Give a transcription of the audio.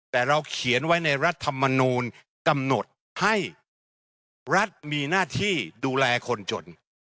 แต่เราเขียนไว้ในรัฐมนูลกำหนดให้รัฐมีหน้าที่ดูแลคนจน